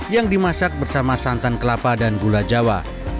yang dimasak bersama santan kelapa dan gula jawa